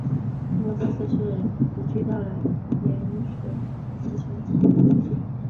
不过这次是移居到了延雪平城城居住。